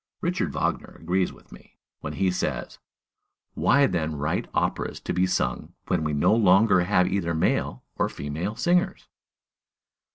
Richard Wagner agrees with me, when he says, "Why, then, write operas to be sung, when we no longer have either male or female singers?"